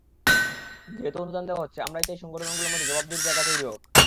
যেহেতু অনুদান দেওয়া হচ্ছে, আমরা চাই সংগঠনগুলোর মধ্যে জবাবদিহির জায়গা তৈরি হোক।